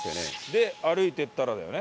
で歩いていったらだよね。